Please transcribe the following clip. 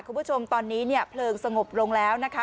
คุณผู้ชมตอนนี้เนี่ยเพลิงสงบลงแล้วนะคะ